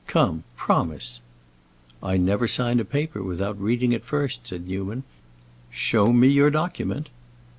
Come, promise!" "I never sign a paper without reading it first," said Newman. "Show me your document."